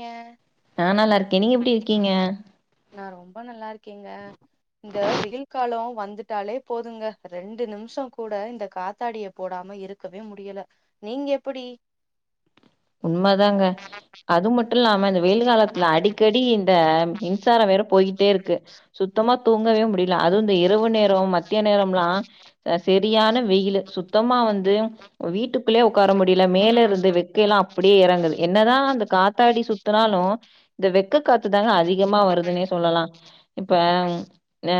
ஏங்க நா நல்லாருக்கே நீங்க எப்டி இருக்கீங்க நான் ரொம்ப நல்லா இருக்கேங்க இந்த வெயில் கால வந்துட்டாலே போதுங்க ரெண்டு நிமிஷ கூட இந்த காத்தாடிய போடாம இருக்கவே முடியல நீங்க எப்புடி உண்மாதாங்க அது மட்டு இல்லாம இந்த வெயில் காலத்துல அடிக்கடி இந்த மின்சார வேற போயிட்டே இருக்கு சுத்தமா தூங்கவே முடியல அதுவு இந்த இரவு நேர மத்திய ம்லா செரியான வெயிலு சுத்தமா வந்து வீட்டுக்குள்ளே உட்கார முடி இதுல மேல இருந்து வெ இங்கெல்லா அப்புடியே இறங்குது என்னதா அந்த காத்தாடி சுத்துனாலு இந்த வெக்க காத்துதாங்க அதி எம்மா வருதுன்னே சொல்லலா ஹ இப்ப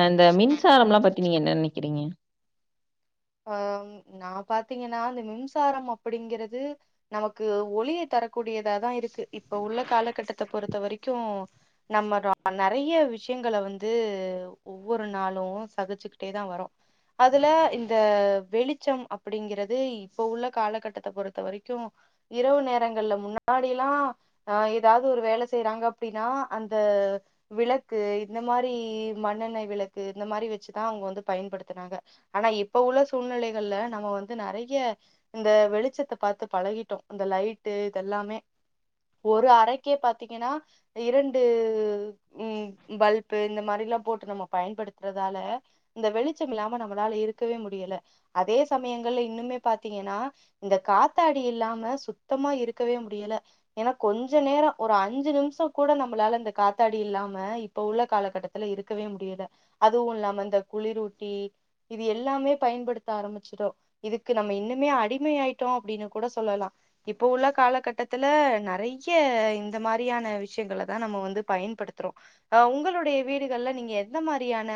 அந்த மின்சாரம்ல்லா பத்தி நீங்க என்ன நெனைக்கிறீங்க அஹ நா பாத்தீங்கன்னா அந்த மின்சாரம் அப்புடிங்கிறது நமக்கு ஒளியை தரக்கூடியதாதான் இருக்கு இப்ப உள்ள காலகட்டத்த பொறுத்த வரைக்கு நம்ம நெறைய விஷயங்கள வந்து ஒவ்வொரு நாளும் சகிச்சுக்கிட்டே தா வரோ அதுல இந் இந்த வெளிச்சம் அப்புடிங்கிறது இப்போ உள்ள காலகட்டத்த பொறுத்த வரைக்கு இரவு நேரங்கள்ல முன்னாடி லா ஹ ஏதாவது ஒரு வேலை செய்றாங்க அப்புடின்னா அந்த விளக்கு இந்த மாரி மண்ணெண்ணெய் விளக்கு இந்த மாரி வச்சுதா அவுங்க வந்து பயன்படுத்துனாங்க ஆனா இப் இப்ப உள்ள சூழ்நிலைகள்ல நம்ம வந்து நெறைய இந்த வெளிச்சத்த பாத்து பழகிட்டோ இந்த லைட்டு இதெல்லாமே ஒரு அறைக்கே பாத்தீங்கன்னா இரண்டு உம் பல்பு இந்த மாரிலாம் போட்டு நம்ம பயன்படுத்துறதால இந்த வெளிச்ச இல்லாம நம்மளால இரு இருக்கவே முடியல அதே சமயங்கள்ல இன்னுமே ப் பாத்தீங்கன்னா இந்த காத்தாடி இல்லாம சுத்தமா இருக்கவே முடியல ஏன்னா கொஞ்ச நேர ஒரு அஞ்சு நிமிஷம் கூட நம்மளால இந்த காத்தாடி இல்லாம இப்ப உள்ள காலகட்டத்துல இருக்கவே முடியல அதுவு இல்லாம இந்த குளிரூட்டி இது எல்லாமே பயன்படுத்த ஆரம்பிச்சுட்டோ இதுக்கு நம்ம இன்னுமே அடிமை ஆயிட்டோ அப்புடின்னு கூட சொல்லலா இப்போ உள்ள காலகட்டத்துல நெறைய இந்த மாரியான விஷயங்கள தா நம்ம வந்து பயன்படுத்துறோம் அஹ உங்களுடைய வீடுகள்ல நீங்க எந்த மாரியான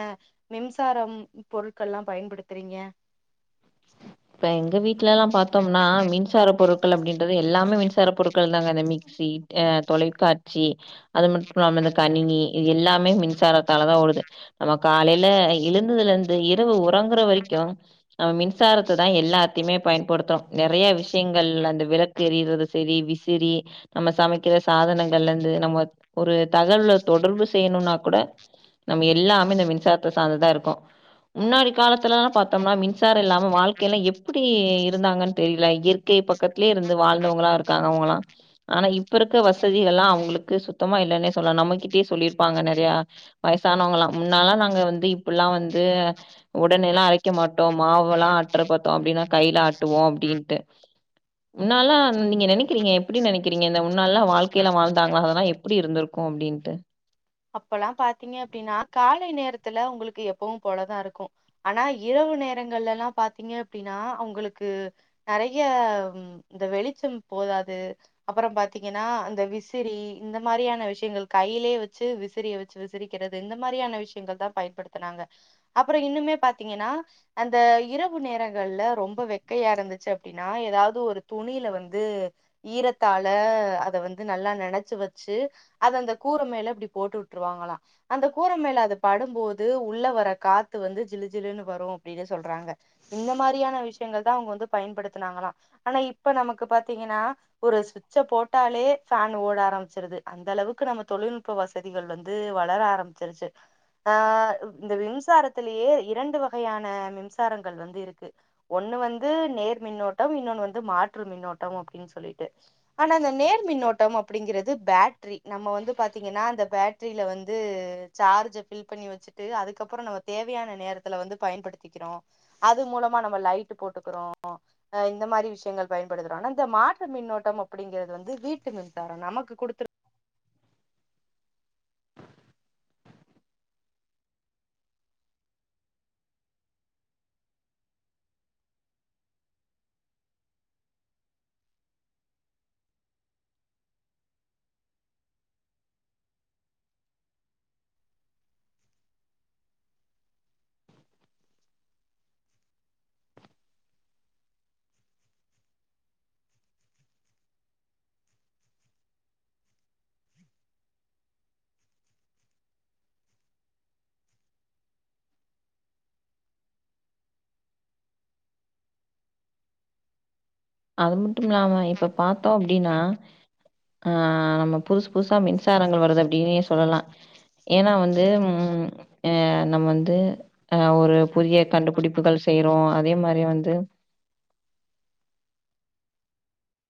மின்சாரம் பொருட் எதுக்கெல்லா பயன்படுத்துறீங்க இப்ப எங்க ருட்கள் அப்டின்றது எல்லாமே மின்சார பொருட்கள் தாங்க மிக்சி தொலைக்காட்சி அது மட்டும் இல்லாம கணினி இது எல்லாமே மின்சாரத்தாலதா ஓடுது நமக் காலயில எழுந்ததுல இருந்து ப் த்து உறங்குற வரைக்கு அவ மின்சார மின்சாரத்தை தான் எல்லாத்தையுமே பயன்படுத்துறோம் நெறைய விஷயங்கள்ல அந்த விளக்கு எரியறத சரி விசிறி நம்ம சமைக்கிற சாதனங்கள்ல இருந்து நம்ம ஒரு தகவல தொடர்பு செய்யணும்னா கூட நம்ம எல்லாமே இந்த மின்சாரத்த சார்ந்ததா இருக்கு முன்னோறு காலத்துல பாத்தோம்னா மின்சார இல்லாம வாழ்க்கையல்ல எப்படி இருந்தாங்கன்னு தெரியல இயற்கை பக்கத்திலயே இருந்து வாழ்ந்தவங்களாஇருக்காங்க அவுங்களா ஆனா இப்ப இருக்க வசதி எல்லா அவுங்களுக்கு சுத்தமா இல்லைன்னே சொல்லலா நம்மகிட்டயே சொல்லிருப்பாங்க நிறைய வயசானவங்கா முன்னாலா நாங்க வந்து இப்பல்லா வந்து உடனே எல்லா அரைக்க மாட்டோம் மாவெல்லா ஆட்டுற பார்த்தோம் அப்புடின்னா கையில அட்டுவோ அப்புடின்ட்டு முன்னாலா நீங்க நினைக்கிறீங்க எப்படி நினைக்கிறீங்க இந்த முன்னால்லா வாழ்க்கைய எல்லா வாழ்ந்தாங்களா அதெல்லா எப்படி இருந்திருக்கு அப்புடின்னுட்டு அப்பெல்லா பாத்தீங்க அப்பிடின்னா காலை நேரத் இடத்துல உங்களுக்கு எப்பவும் போலதான் இருக்கு ஆனா இரவு நேரங்கள்லல்லாம் பாாரத்தீங்க அப்படின்னா உங்களுக்கு நிறைய இந்த வெளிச்சம் போதாது அப்புற பாத்தீங்கன்னா இந்த விசிறி இந்த மாதிரியான விஷயங்கள் கையிலேயே வச்சு விச விசிறிய வச்சு விசிரிக்கிறது இந்த மாரியான விஷயங்கள் தான் பயன்படுத்தனாங்க அப்புற இன்னுமே பாத்தீங்கின்னா அந்த இரவு நேரங்கள்ல ரொம்ப வெக்கையா இருந்துச்சு அப்படின்னா ஏதாவது ஒரு துணியில வந்து ஈரத்தால அத வந்து நல்லா நெனச்சு வச்சு அத அந்த கூர மேல இப்படி போட்டு விட் அந்த கூரை மேல அது படும்போது உள்ள வர காத்து வந்து ஜிலு ஜிலுனு வரு அப்புடினு சொல்றாங்க இந்த மாரியான விஷயங்கள் தான் அவுங்க வந்து பயன்படுத்தினாங்களாம் ஆனா இப்ப நமக்கு பாத்தீங்கின்னா ஒரு சுவிட்ச போட்டாலே பேனு ஓட ஆரம்பிச்சிருது அந்த அளவுக்கு நம்ம தொழில்நுட்ப வசதிகள் வந் இது வளர ஆரம்பிச்சிருச்சு ஹ இந்த மின்சாரத்திலேயே இரண்டு வகையான மின்சாரங்கள் வந்து இருக்கு ஒண்ணு வந்து நேர்மின்னோட்டம் இன்னொன்னு வந்து மாற்று மின்னோட்டம் அப்புடின்னு சொல்லிட்டு ஆனா அந்த நேர்மின்னோட்டம் அப்புடின்றது பேட்ரி நம்ம வந்து பாத்திங்கனா அந்த பேட் ட்றில வந்து சார்ஜ பில் பண்ணி வச்சுட்டு அதுக்கப்புறம் நம்ம தேவையான நேரத்துல வந்து பயன்படுத்திக்கிறோ அது மூலமா நம்ம லைட்டு போட்டுக்குறோம் அஹ இந்த மாதிரி விஷயங்கள் பயன்படுத்துறோம் ஆனா இந்த மாற்று மின்னோட்டம் அப்புடிங்கறது வந்து வீட்டு மின்சார நமக்கு குடுத்துரு அது மட்டுமில்லாமா இப்ப பாத் தோம் அப்படினா ஆஹ ஹ ஆமா புதுசு புதுசா மின்சாரங்கள் அப்புடின்னே சொல்லலா ஏன்னா வந்து உ அஹ நம்ம வந்து ஆஹ ஒரு புதிய கண்டுபிடிப்புகள் செய்யுறோ அதே மாரி வந்து